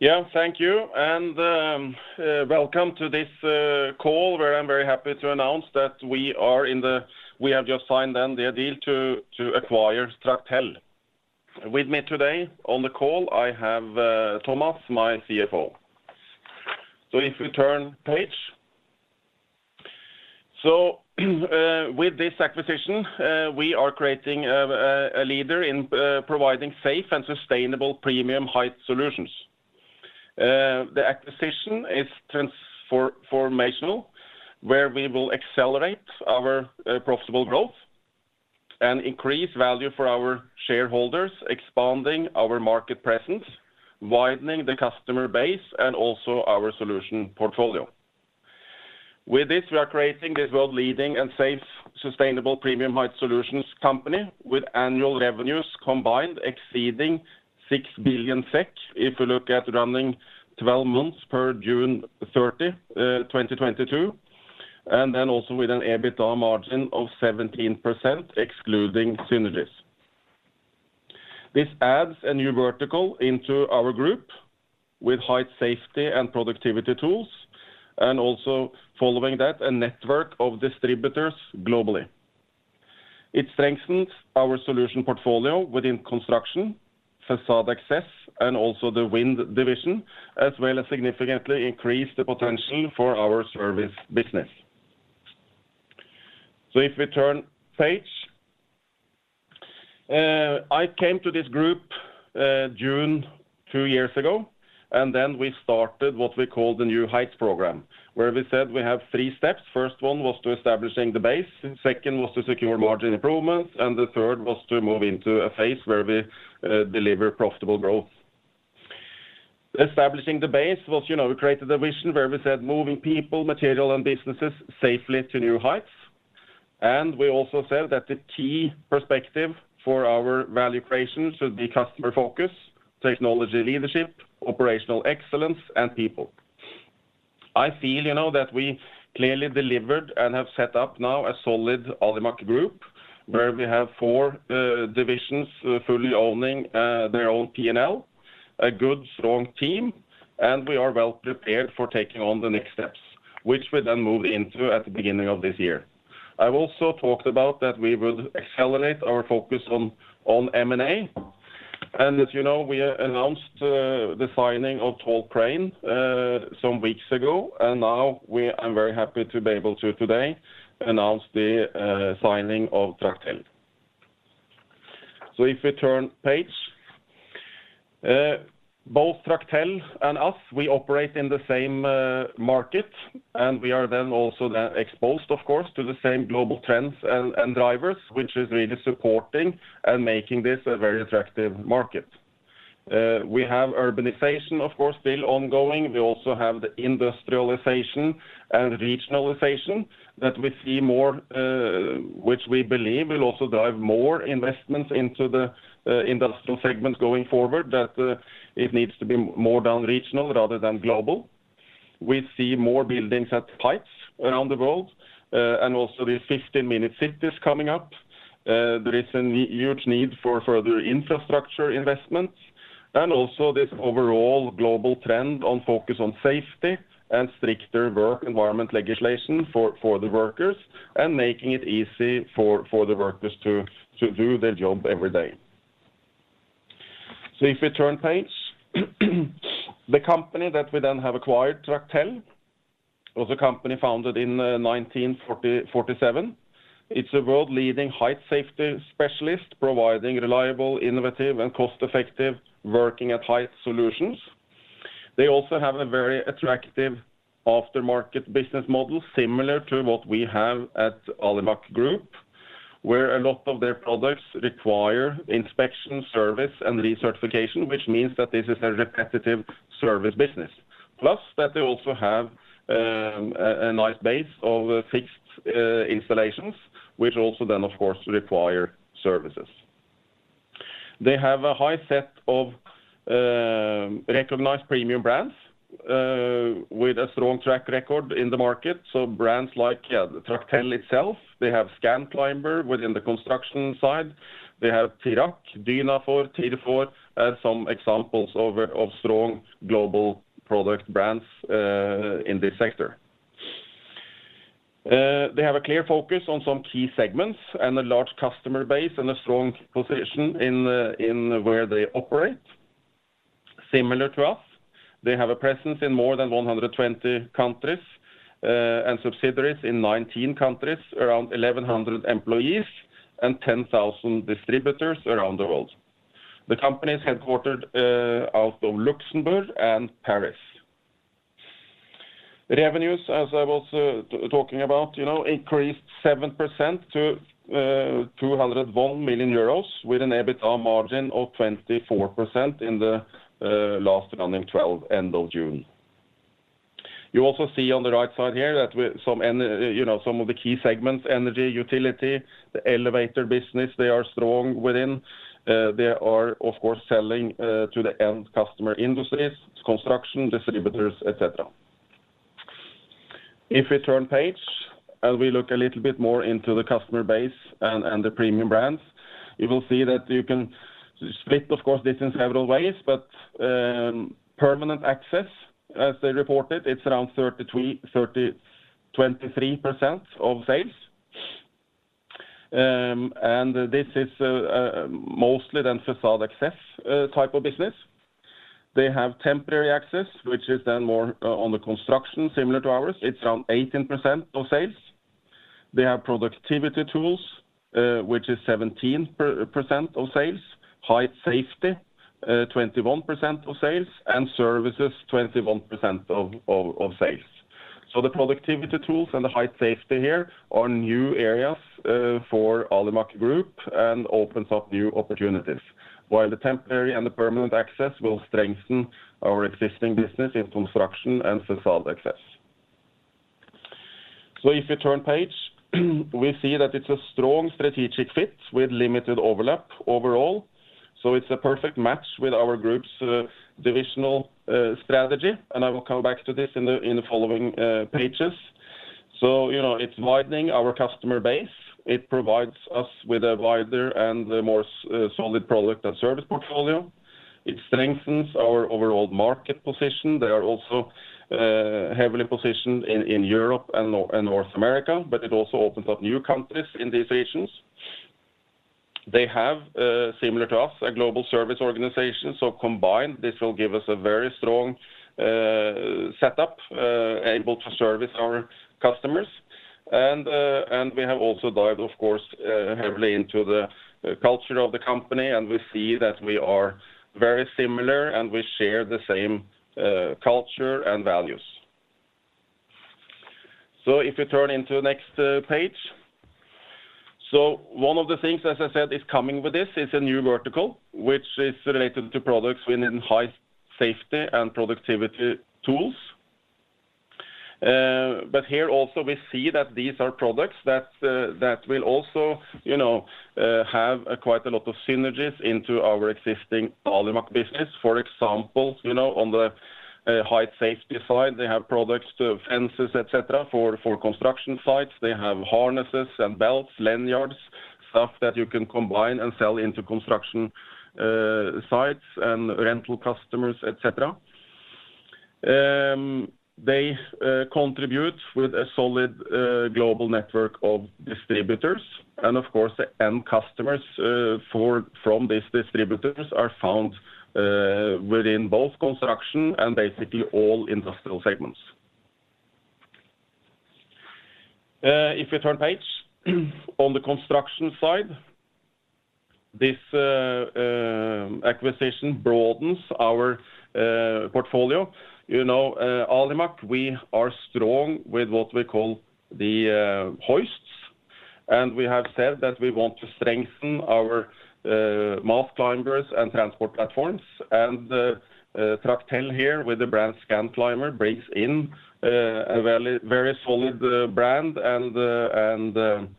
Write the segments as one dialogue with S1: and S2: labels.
S1: Yeah, thank you, and welcome to this call where I'm very happy to announce that we have just signed the deal to acquire Tractel. With me today on the call, I have Thomas, my CFO. If we turn page. With this acquisition, we are creating a leader in providing safe and sustainable premium height solutions. The acquisition is transformational, where we will accelerate our profitable growth and increase value for our shareholders, expanding our market presence, widening the customer base, and also our solution portfolio. With this, we are creating this world-leading and safe, sustainable premium height solutions company with annual revenues combined exceeding 6 billion SEK, if you look at running 12 months per June 30, 2022, and then also with an EBITDA margin of 17%, excluding synergies. This adds a new vertical into our group with height safety and productivity tools, and also following that, a network of distributors globally. It strengthens our solution portfolio within construction, facade access, and also the wind division, as well as significantly increase the potential for our service business. If we turn page. I came to this group June two years ago, and then we started what we called the New Heights program, where we said we have three steps. First one was to establishing the base, second was to secure margin improvements, and the third was to move into a phase where we deliver profitable growth. Establishing the base was, you know, we created a vision where we said moving people, material, and businesses safely to new heights. We also said that the key perspective for our value creation should be customer focus, technology leadership, operational excellence, and people. I feel, you know, that we clearly delivered and have set up now a solid Alimak Group, where we have four divisions fully owning their own P&L, a good, strong team, and we are well prepared for taking on the next steps, which we then moved into at the beginning of this year. I've also talked about that we would accelerate our focus on M&A. As you know, we announced the signing of Tall Crane some weeks ago, and now I'm very happy to be able to today announce the signing of Tractel. If we turn page. Both Tractel and us, we operate in the same market, and we are also exposed, of course, to the same global trends and drivers, which is really supporting and making this a very attractive market. We have urbanization, of course, still ongoing. We also have the industrialization and regionalization that we see more, which we believe will also drive more investments into the industrial segment going forward, that it needs to be more regional rather than global. We see more buildings at heights around the world, and also these 15-minute cities coming up. There is a huge need for further infrastructure investments, and also this overall global trend on focus on safety and stricter work environment legislation for the workers, and making it easy for the workers to do their job every day. If we turn page. The company that we then have acquired, Tractel, was a company founded in 1947. It's a world-leading height safety specialist providing reliable, innovative, and cost-effective working at height solutions. They also have a very attractive aftermarket business model similar to what we have at Alimak Group, where a lot of their products require inspection, service, and recertification, which means that this is a repetitive service business. Plus, that they also have a nice base of fixed installations, which also then, of course, require services. They have a high set of recognized premium brands with a strong track record in the market. Brands like Tractel itself. They have Scanclimber within the construction side. They have Tirak, Dynafor, Tirfor, some examples of strong global product brands in this sector. They have a clear focus on some key segments and a large customer base and a strong position in where they operate. Similar to us, they have a presence in more than 120 countries, and subsidiaries in 19 countries, around 1,100 employees and 10,000 distributors around the world. The company is headquartered out of Luxembourg and Paris. Revenues, as I was talking about, you know, increased 7% to 201 million euros, with an EBITDA margin of 24% in the last running twelve, end of June. You also see on the right side here that you know, some of the key segments, energy, utility, the elevator business, they are strong within. They are, of course, selling to the end customer industries, construction, distributors, etc. If we turn page and we look a little bit more into the customer base and the premium brands, you will see that you can split, of course, this in several ways. Permanent access, as they report it's around 33%, 30%, 23% of sales. This is mostly then facade access type of business. They have temporary access, which is then more on the construction similar to ours. It's around 18% of sales. They have productivity tools, which is 17% of sales. Height safety, 21% of sales, and services, 21% of sales. The productivity tools and the height safety here are new areas for Alimak Group and opens up new opportunities. While the temporary and the permanent access will strengthen our existing business in construction and facade access. If you turn page, we see that it's a strong strategic fit with limited overlap overall. It's a perfect match with our group's divisional strategy, and I will come back to this in the following pages. You know, it's widening our customer base. It provides us with a wider and a more solid product and service portfolio. It strengthens our overall market position. They are also heavily positioned in Europe and North America, but it also opens up new countries in these regions. They have, similar to us, a global service organization. Combined, this will give us a very strong setup able to service our customers. We have also dived, of course, heavily into the culture of the company, and we see that we are very similar, and we share the same culture and values. If you turn to the next page. One of the things, as I said, is coming with this is a new vertical, which is related to products within height safety and productivity tools. But here also we see that these are products that will also, you know, have quite a lot of synergies into our existing Alimak business. For example, you know, on the height safety side, they have products, the fences, et cetera, for construction sites. They have harnesses and belts, lanyards, stuff that you can combine and sell into construction sites and rental customers, et cetera. They contribute with a solid global network of distributors and of course, the end customers from these distributors are found within both construction and basically all industrial segments. If you turn page. On the construction side, this acquisition broadens our portfolio. You know, Alimak, we are strong with what we call the hoists. We have said that we want to strengthen our mast climbers and transport platforms. Tractel here with the brand Scanclimber brings in a very, very solid brand and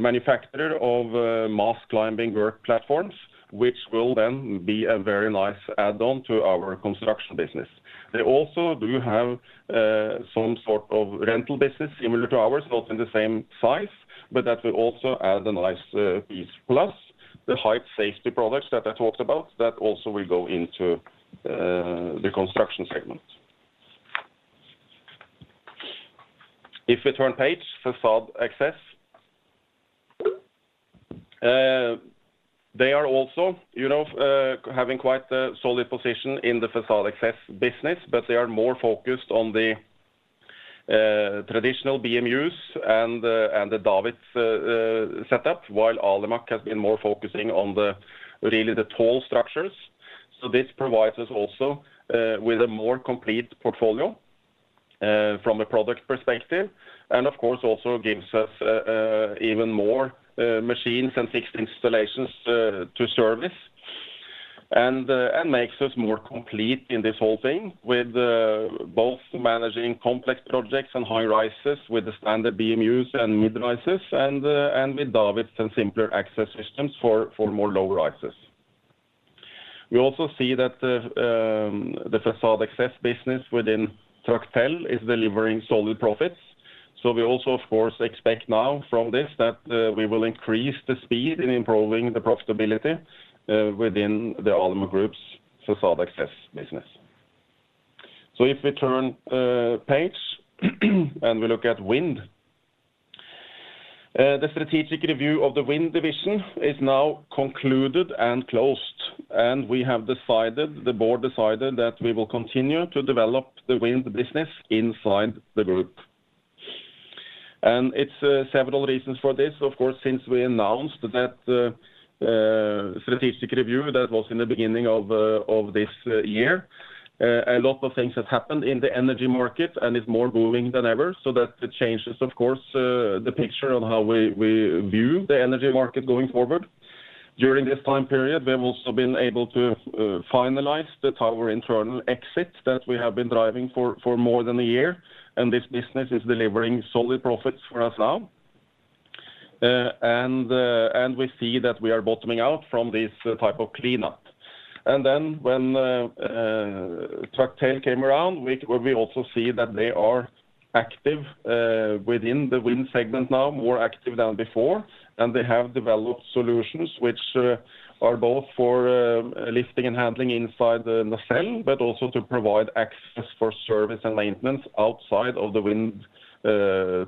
S1: manufacturer of mast climbing work platforms, which will then be a very nice add on to our construction business. They also do have some sort of rental business similar to ours, not in the same size, but that will also add a nice piece. Plus the height safety products that I talked about that also will go into the construction segment. If you turn page, facade access. They are also, you know, having quite a solid position in the facade access business, but they are more focused on the traditional BMUs and the davit setup, while Alimak has been more focusing on really the tall structures. This provides us also with a more complete portfolio from a product perspective, and of course, also gives us even more machines and fixed installations to service. Makes us more complete in this whole thing with both managing complex projects and high rises with the standard BMUs and mid-rises and with davits and simpler access systems for more low rises. We also see that the facade access business within Tractel is delivering solid profits. We also of course expect now from this that we will increase the speed in improving the profitability within the Alimak Group's facade access business. If we turn page and we look at wind. The strategic review of the wind division is now concluded and closed, and the board decided that we will continue to develop the wind business inside the group. It's several reasons for this. Of course, since we announced that strategic review, that was in the beginning of this year, a lot of things have happened in the energy market and it's more moving than ever. That changes, of course, the picture on how we view the energy market going forward. During this time period, we have also been able to finalize the tower internal lift that we have been driving for more than a year, and this business is delivering solid profits for us now. We see that we are bottoming out from this type of cleanup. When Tractel came around, we also see that they are active within the wind segment now, more active than before. They have developed solutions which are both for lifting and handling inside the nacelle, but also to provide access for service and maintenance outside of the wind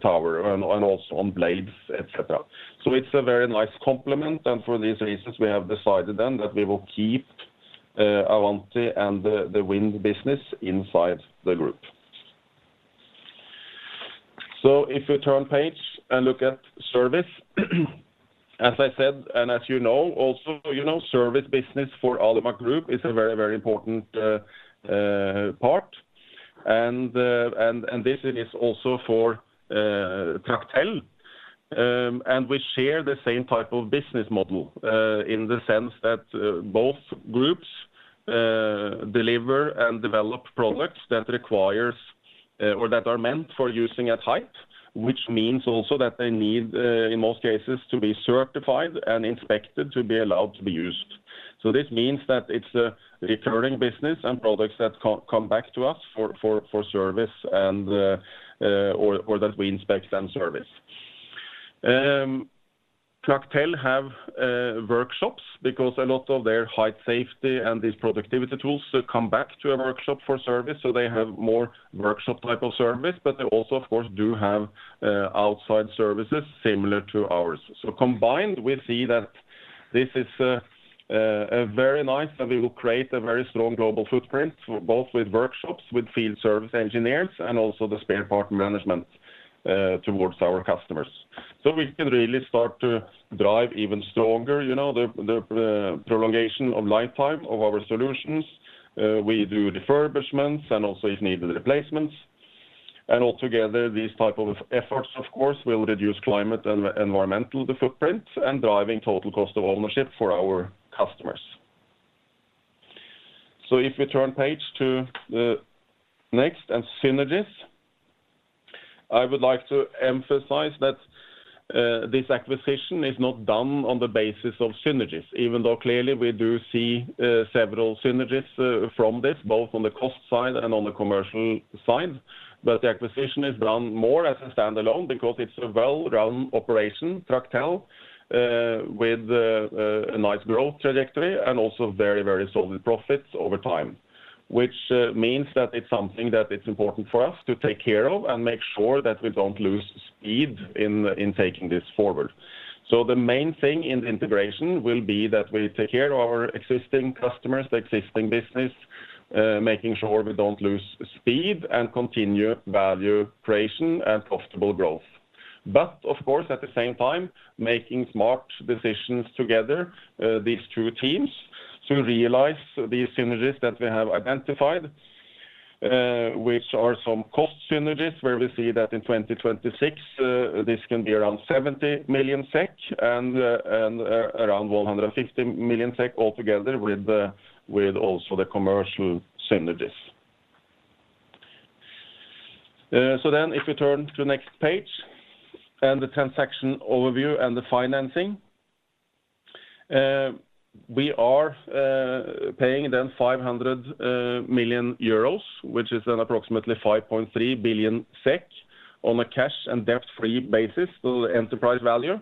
S1: tower and also on blades, etc. It's a very nice complement, and for these reasons we have decided then that we will keep Avanti and the wind business inside the group. If you turn page and look at service, as I said, and as you know also, you know, service business for Alimak Group is a very, very important part. This is also for Tractel. We share the same type of business model in the sense that both groups deliver and develop products that requires or that are meant for using at height, which means also that they need in most cases to be certified and inspected to be allowed to be used. This means that it's a recurring business and products that come back to us for service and or that we inspect and service. Tractel have workshops because a lot of their height safety and these productivity tools come back to a workshop for service, so they have more workshop type of service, but they also of course do have outside services similar to ours. Combined, we see that this is a very nice, and we will create a very strong global footprint, both with workshops, with field service engineers, and also the spare part management towards our customers. We can really start to drive even stronger, you know, the prolongation of lifetime of our solutions. We do refurbishments and also if needed replacements. Altogether, these type of efforts, of course, will reduce climate and environmental footprint and driving total cost of ownership for our customers. If you turn page to the next and synergies, I would like to emphasize that this acquisition is not done on the basis of synergies, even though clearly we do see several synergies from this, both on the cost side and on the commercial side. The acquisition is done more as a standalone because it's a well-run operation, Tractel, with a nice growth trajectory and also very, very solid profits over time. Which means that it's something that it's important for us to take care of and make sure that we don't lose speed in taking this forward. The main thing in the integration will be that we take care of our existing customers, existing business, making sure we don't lose speed and continue value creation and profitable growth. Of course, at the same time, making smart decisions together, these two teams to realize these synergies that we have identified, which are some cost synergies, where we see that in 2026, this can be around 70 million SEK and around 150 million SEK altogether with also the commercial synergies. If you turn to next page and the transaction overview and the financing, we are paying then 500 million euros, which is approximately 5.3 billion SEK on a cash and debt-free basis to the enterprise value,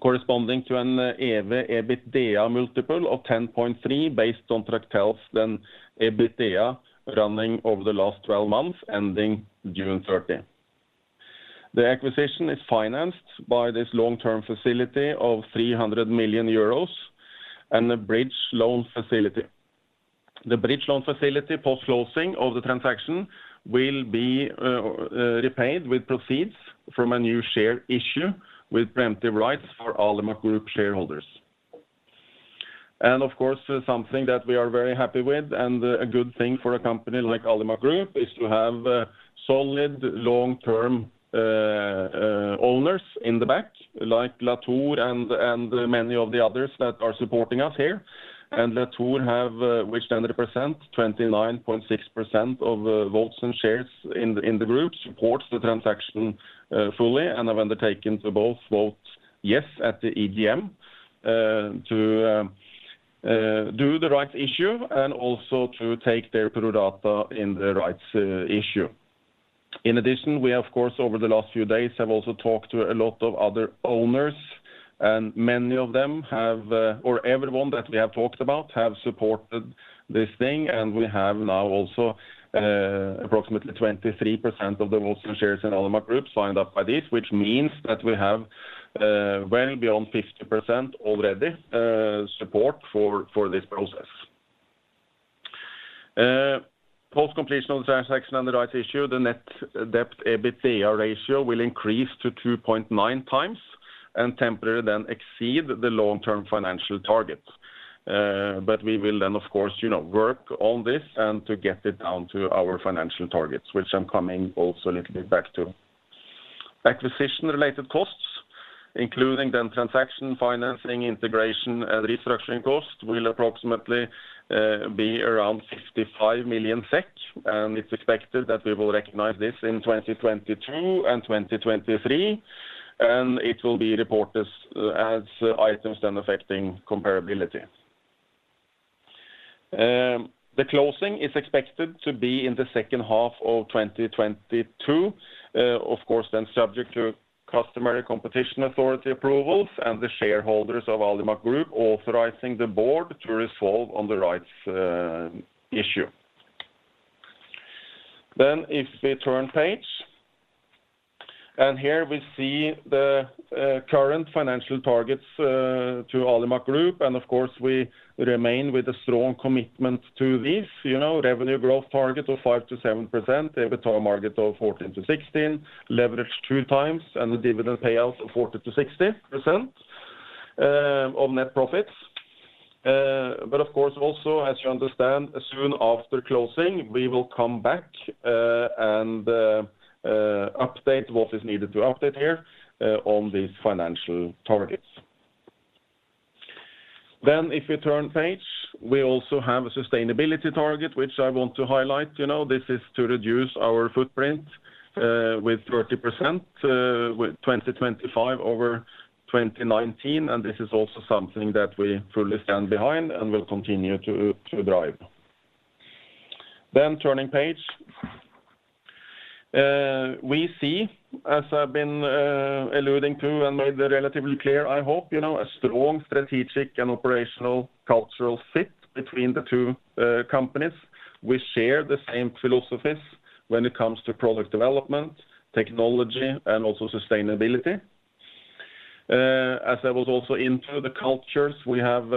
S1: corresponding to an EV/EBITDA multiple of 10.3x based on Tractel's trailing EBITDA running over the last 12 months, ending June 30. The acquisition is financed by this long-term facility of 300 million euros and a bridge loan facility. The bridge loan facility post-closing of the transaction will be repaid with proceeds from a new share issue with preemptive rights for Alimak Group shareholders. Of course, something that we are very happy with and a good thing for a company like Alimak Group is to have solid long-term owners in the back like Latour and many of the others that are supporting us here. Latour have, which then represent 29.6% of votes and shares in the group, supports the transaction fully and have undertaken to both vote yes at the EGM to do the rights issue and also to take their pro rata in the rights issue. In addition, we of course over the last few days have also talked to a lot of other owners, and many of them have or everyone that we have talked about have supported this thing. We have now also approximately 23% of the votes and shares in Alimak Group signed up by this, which means that we have well beyond 50% already support for this process. Post completion of the transaction and the rights issue, the Net Debt/EBITDA ratio will increase to 2.9 times and temporarily then exceed the long-term financial target. We will then of course, you know, work on this and to get it down to our financial targets, which I'm coming also a little bit back to. Acquisition-related costs, including the transaction, financing, integration and restructuring costs, will approximately be around 65 million SEK, and it's expected that we will recognize this in 2022 and 2023, and it will be reported as items affecting comparability. The closing is expected to be in the second half of 2022. Of course subject to customary competition authority approvals and the shareholders of Alimak Group authorizing the board to resolve on the rights issue. If we turn page, and here we see the current financial targets to Alimak Group. Of course, we remain with a strong commitment to this, you know, revenue growth target of 5%-7%, EBITDA margin of 14%-16%, leverage 2x, and the dividend payout of 40%-60% of net profits. Of course, also, as you understand, soon after closing, we will come back, and update what is needed to update here, on these financial targets. If we turn page, we also have a sustainability target, which I want to highlight. You know, this is to reduce our footprint, with 30%, with 2025 over 2019. This is also something that we fully stand behind and will continue to drive. Turning page. We see, as I've been alluding to and made that relatively clear, I hope, you know, a strong strategic and operational cultural fit between the two companies. We share the same philosophies when it comes to product development, technology, and also sustainability. As I was also into the cultures, we have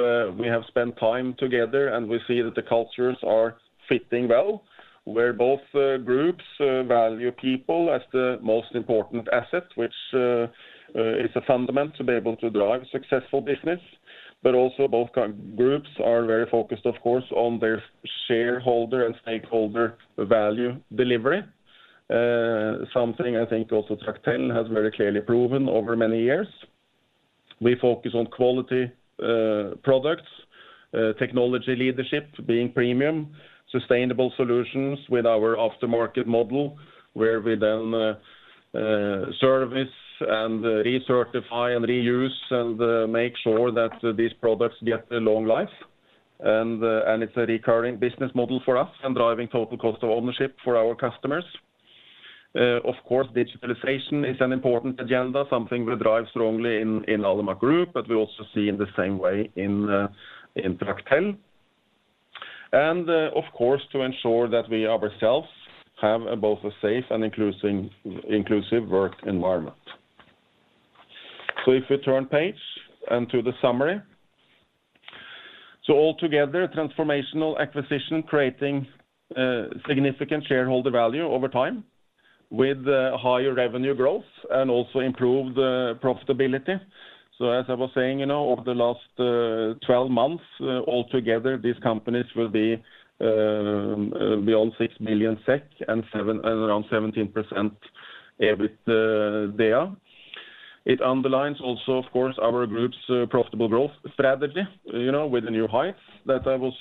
S1: spent time together, and we see that the cultures are fitting well. Where both groups value people as the most important asset, which is a fundament to be able to drive successful business. Both groups are very focused, of course, on their shareholder and stakeholder value delivery. Something I think also Tractel has very clearly proven over many years. We focus on quality products, technology leadership being premium, sustainable solutions with our aftermarket model, where we then service and recertify and reuse and make sure that these products get a long life. It's a recurring business model for us and driving Total Cost of Ownership for our customers. Of course, digitalization is an important agenda, something we drive strongly in Alimak Group, but we also see in the same way in Tractel. Of course, to ensure that we ourselves have both a safe and inclusive work environment. If we turn the page to the summary. All together, transformational acquisition creating significant shareholder value over time with higher revenue growth and also improved profitability. As I was saying, you know, over the last 12 months, all together, these companies will be beyond 6 million SEK and around 17% EBITDA. It underlines also, of course, our group's profitable growth strategy, you know, with the New Heights that I was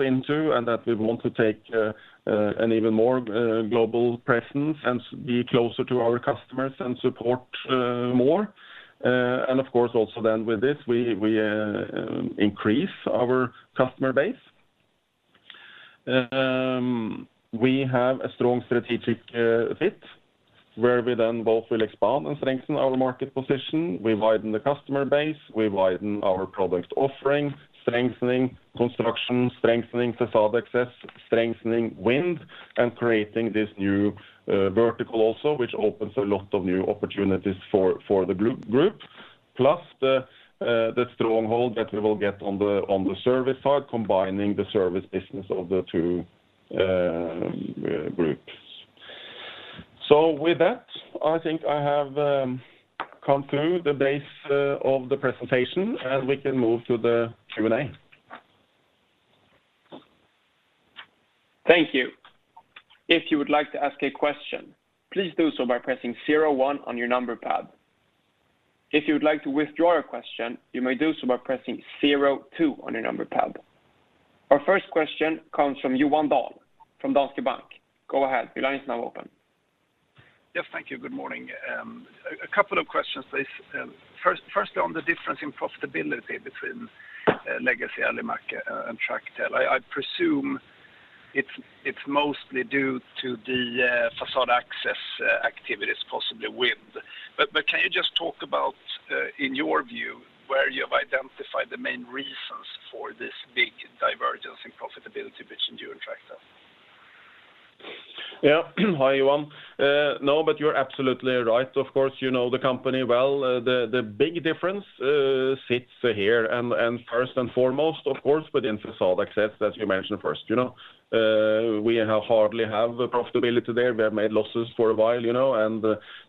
S1: into and that we want to take an even more global presence and be closer to our customers and support more. Of course, also then with this, we increase our customer base. We have a strong strategic fit where we then both will expand and strengthen our market position. We widen the customer base, we widen our product offering, strengthening construction, strengthening facade access, strengthening wind, and creating this new vertical also, which opens a lot of new opportunities for the group. Plus the stronghold that we will get on the service side, combining the service business of the two groups. With that, I think I have come through the basics of the presentation, and we can move to the Q&A.
S2: Thank you. If you would like to ask a question, please do so by pressing zero one on your number pad. If you would like to withdraw your question, you may do so by pressing zero two on your number pad. Our first question comes from Johan Dahl from Danske Bank. Go ahead. Your line is now open.
S3: Yes, thank you. Good morning. A couple of questions please. Firstly, on the difference in profitability between legacy Alimak and Tractel. I presume it's mostly due to the facade access activities, possibly wind. Can you just talk about, in your view, where you have identified the main reasons for this big divergence in profitability between you and Tractel?
S1: Yeah. Hi, Johan. No, but you're absolutely right. Of course, you know the company well. The big difference sits here and first and foremost, of course, within facade access, as you mentioned first, you know. We hardly have profitability there. We have made losses for a while, you know, and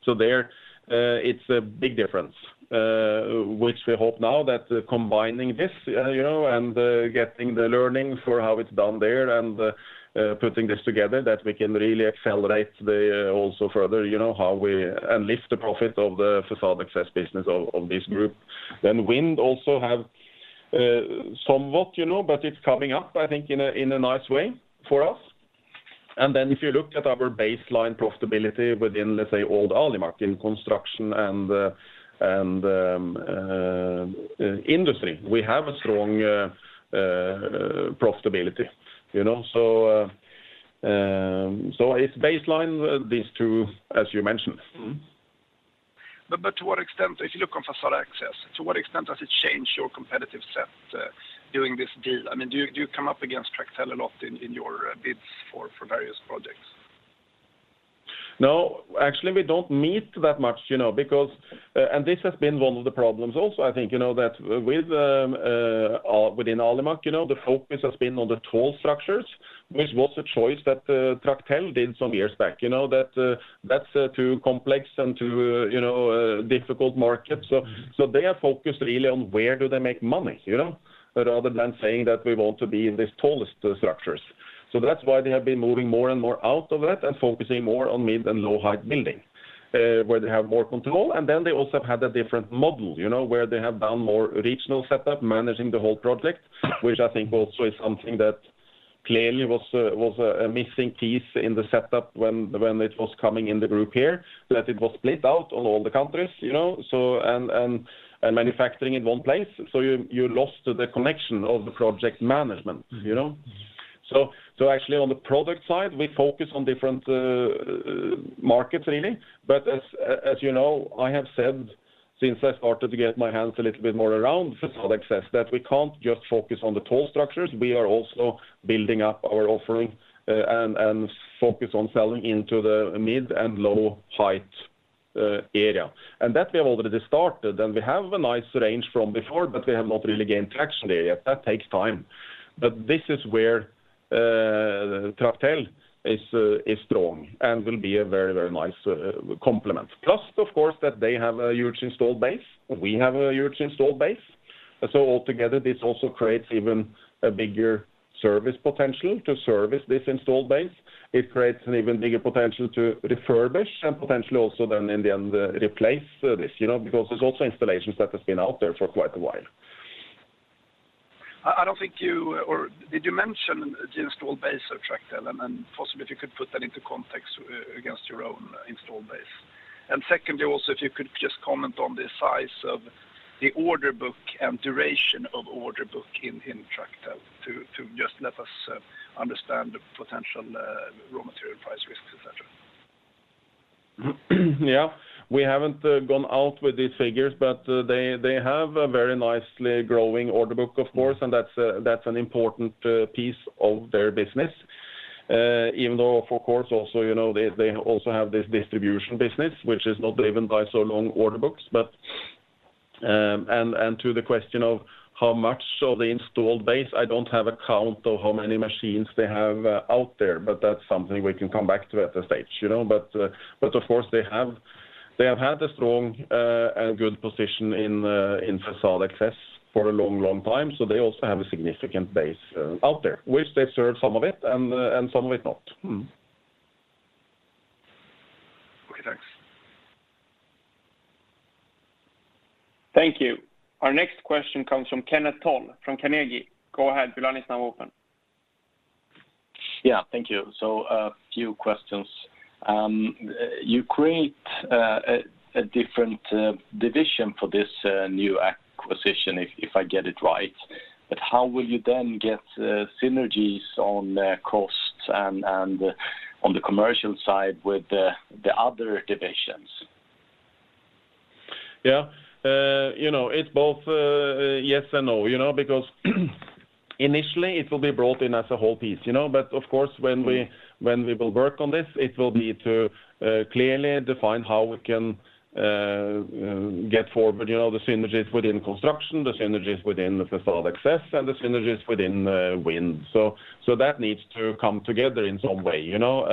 S1: so there, it's a big difference. Which we hope now that combining this, you know, and getting the learning for how it's done there and putting this together, that we can really accelerate the also further, you know, how we lift the profit of the facade access business of this group. Wind also have somewhat, you know, but it's coming up, I think, in a nice way for us. If you look at our baseline profitability within, let's say, old Alimak in construction and profitability, you know? It's baseline these two, as you mentioned.
S3: Mm-hmm. To what extent, if you look on facade access, to what extent does it change your competitive set during this deal? I mean, do you come up against Tractel a lot in your bids for various projects?
S1: No. Actually, we don't meet that much, you know, because and this has been one of the problems also, I think, you know, that within Alimak, you know, the focus has been on the tall structures, which was a choice that Tractel did some years back, you know, that that's too complex and too difficult market. They are focused really on where do they make money, you know, rather than saying that we want to be in this tallest structures. That's why they have been moving more and more out of that and focusing more on mid and low height building, where they have more control, and then they also have had a different model, you know, where they have done more regional setup, managing the whole project, which I think also is something that clearly was a missing piece in the setup when it was coming in the group here, that it was split out on all the countries, you know. And manufacturing in one place, so you lost the connection of the project management, you know.
S3: Mm-hmm.
S1: Actually on the product side, we focus on different markets really. As you know, I have said since I started to get my hands a little bit more around facade access, that we can't just focus on the tall structures. We are also building up our offering, and focus on selling into the mid and low height area. That we have already started, and we have a nice range from before, but we have not really gained traction there yet. That takes time. This is where Tractel is strong and will be a very, very nice complement. Plus, of course, that they have a huge installed base. We have a huge installed base. All together, this also creates even a bigger service potential to service this installed base. It creates an even bigger potential to refurbish and potentially also then in the end, replace this, you know? Because there's also installations that has been out there for quite a while.
S3: Did you mention the installed base of Tractel and possibly if you could put that into context against your own installed base? Secondly, also, if you could just comment on the size of the order book and duration of order book in Tractel to just let us understand the potential raw material price risks, et cetera.
S1: Yeah. We haven't gone out with these figures, but they have a very nicely growing order book, of course, and that's an important piece of their business. Even though, of course, also, you know, they also have this distribution business, which is not driven by so long order books. And to the question of how much of the installed base, I don't have a count of how many machines they have out there, but that's something we can come back to at a stage, you know? But of course, they have had a strong and good position in facade access for a long time, so they also have a significant base out there, which they serve some of it and some of it not.
S3: Mm-hmm. Okay, thanks.
S2: Thank you. Our next question comes from Kenneth Toll from Carnegie. Go ahead. Your line is now open.
S4: Yeah. Thank you. A few questions. You create a different division for this new acquisition if I get it right. How will you then get synergies on the costs and on the commercial side with the other divisions?
S1: Yeah. You know, it's both, yes and no, you know? Because initially, it will be brought in as a whole piece, you know? Of course, when we-
S4: Mm-hmm.
S1: When we will work on this, it will be to clearly define how we can move forward, you know, the synergies within construction, the synergies within the facade access, and the synergies within wind. That needs to come together in some way, you know.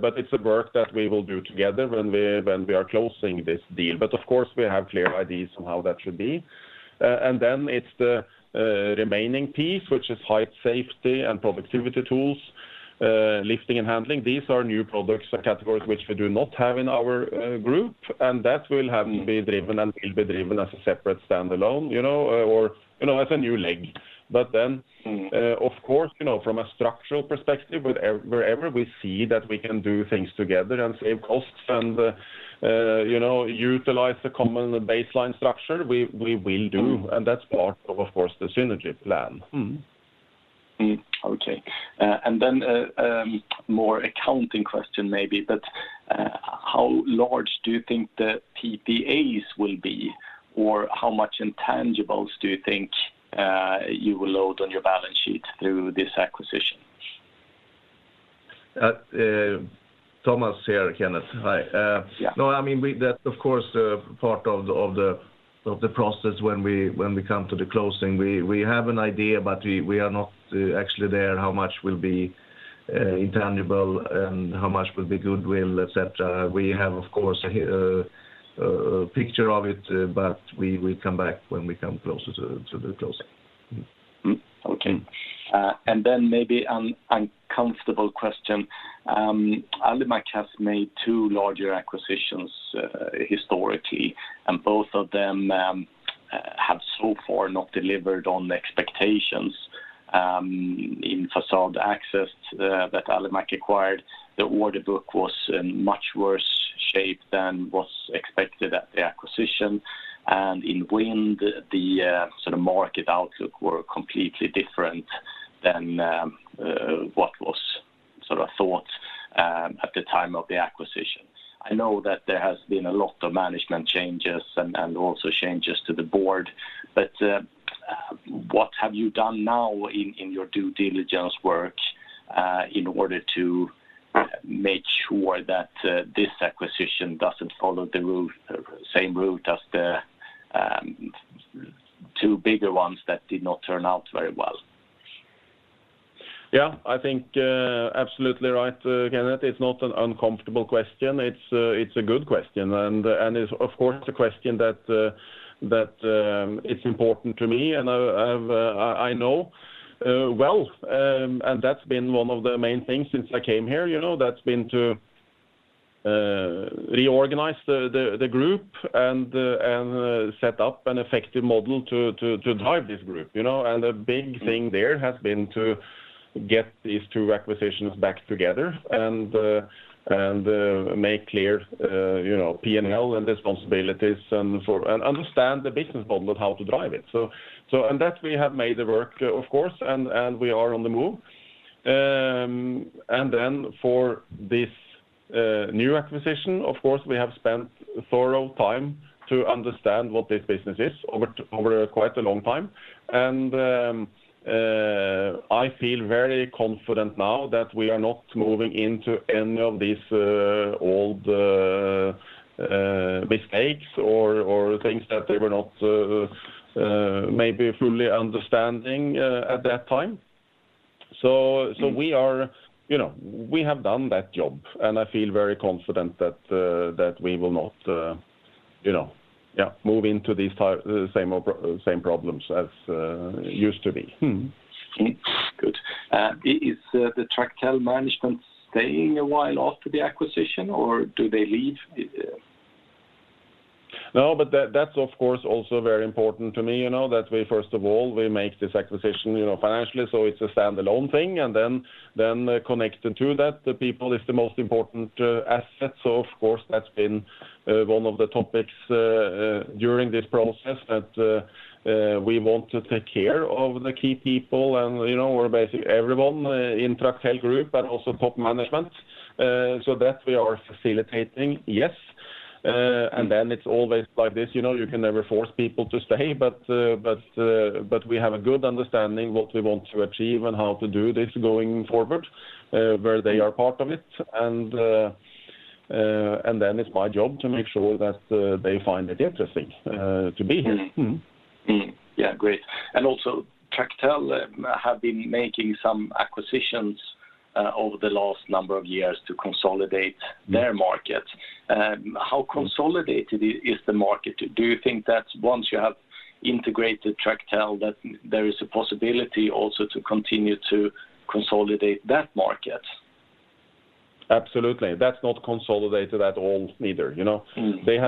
S1: It's a work that we will do together when we are closing this deal. Of course, we have clear ideas on how that should be. It's the remaining piece, which is height safety and productivity tools, lifting and handling. These are new products or categories which we do not have in our group, and that will have-
S4: Mm-hmm.
S1: To be driven and will be driven as a separate standalone, you know, or, you know, as a new leg.
S4: Mm-hmm.
S1: Of course, you know, from a structural perspective wherever we see that we can do things together and save costs and, you know, utilize the common baseline structure, we will do.
S4: Mm-hmm.
S1: That's part of course, the synergy plan.
S4: More accounting question maybe, but how large do you think the PPAs will be, or how much intangibles do you think you will load on your balance sheet through this acquisition?
S5: Thomas here, Kenneth. Hi.
S4: Yeah.
S5: No, I mean, that's of course the part of the process when we come to the closing. We have an idea, but we are not actually there how much will be intangible and how much will be goodwill, et cetera. We have, of course, a picture of it, but we come back when we come closer to the closing.
S4: Okay. Maybe an uncomfortable question. Alimak has made two larger acquisitions, historically, and both of them so far not delivered on the expectations in facade access that Alimak acquired. The order book was in much worse shape than was expected at the acquisition. In wind, sort of market outlook were completely different than what was sort of thought at the time of the acquisition. I know that there has been a lot of management changes and also changes to the board, but what have you done now in your due diligence work in order to make sure that this acquisition doesn't follow the route, same route as the two bigger ones that did not turn out very well?
S5: Yeah, I think absolutely right, Kenneth. It's not an uncomfortable question. It's a good question, and it's, of course, a question that is important to me and I know well. That's been one of the main things since I came here, you know, that's been to reorganize the group and set up an effective model to drive this group, you know. A big thing there has been to get these two acquisitions back together and make clear, you know, P&L and responsibilities and understand the business model of how to drive it. That we have made the work, of course, and we are on the move. Then for this new acquisition, of course, we have spent thorough time to understand what this business is over quite a long time. I feel very confident now that we are not moving into any of these old mistakes or things that they were not maybe fully understanding at that time. We are, you know, we have done that job, and I feel very confident that we will not, you know, yeah, move into these type the same problems as used to be.
S4: Mm-hmm. Good. Is the Tractel management staying a while after the acquisition, or do they leave?
S1: No, but that's of course also very important to me, you know, that we first of all make this acquisition, you know, financially, so it's a standalone thing. Then connected to that, the people is the most important asset. Of course, that's been one of the topics during this process that we want to take care of the key people and, you know, everyone in Tractel Group, but also top management, so that we are facilitating, yes. Then it's always like this, you know, you can never force people to stay. But we have a good understanding what we want to achieve and how to do this going forward, where they are part of it. It's my job to make sure that they find it interesting to be here.
S4: Mm-hmm. Yeah. Great. Also, Tractel have been making some acquisitions over the last number of years to consolidate their market. How consolidated is the market? Do you think that once you have integrated Tractel, that there is a possibility also to continue to consolidate that market?
S1: Absolutely. That's not consolidated at all neither, you know.
S4: Mm-hmm.
S1: They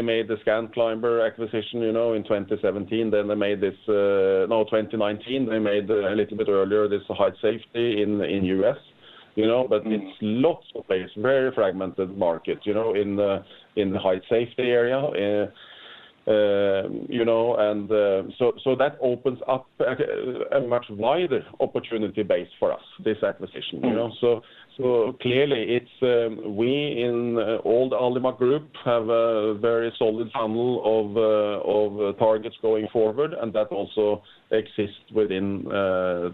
S1: made the Scanclimber acquisition, you know, in 2017. Then, in 2019, they made a little bit earlier this height safety in the U.S., you know. There's lots of space, very fragmented market, you know, in the height safety area. You know, so that opens up a much wider opportunity base for us, this acquisition, you know. Clearly, we in old Alimak Group have a very solid funnel of targets going forward, and that also exists within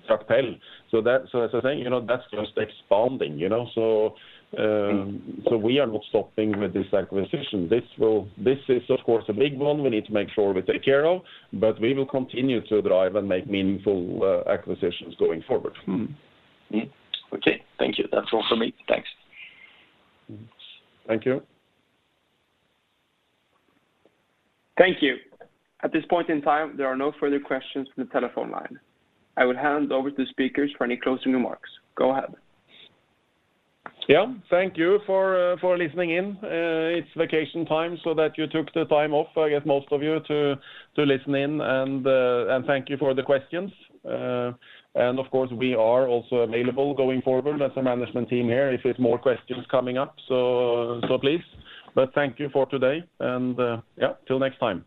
S1: Tractel. That, as I say, you know, that's just expanding, you know. We are not stopping with this acquisition. This is of course a big one we need to make sure we take care of, but we will continue to drive and make meaningful acquisitions going forward.
S4: Okay. Thank you. That's all for me. Thanks.
S1: Thank you.
S2: Thank you. At this point in time, there are no further questions from the telephone line. I will hand over to speakers for any closing remarks. Go ahead.
S1: Yeah. Thank you for listening in. It's vacation time so that you took the time off, I guess most of you, to listen in, and thank you for the questions. Of course, we are also available going forward as a management team here if there's more questions coming up. Please. Thank you for today and yeah, till next time.